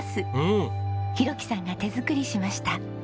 浩樹さんが手作りしました。